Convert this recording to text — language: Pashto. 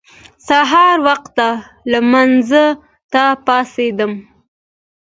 سهار وخته لمانځه ته پاڅېدم.